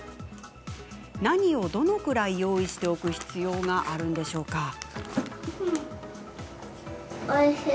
何をどのくらい用意しておく必要があるのでしょうか？